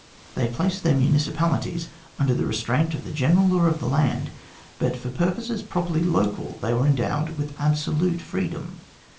They placed their municipalities under the restraint of the general law of the land, but for purposes properly local, they were endowed with absolute freedom.